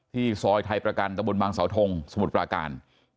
ซอยไทยประกันตะบนบางสาวทงสมุทรปราการ